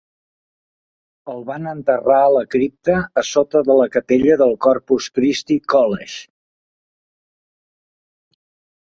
El van enterrar a la cripta a sota de la capella del Corpus Christi College.